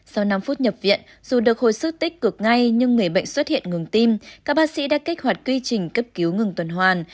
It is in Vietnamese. sau năm phút nhập viện dù được hồi sức tích cực ngay nhưng người bệnh xuất hiện ngừng tim các bác sĩ đã kích hoạt quy trình cấp cứu ngừng tuần hoàn